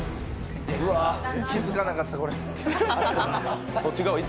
うわ、気がつかなかった、これ。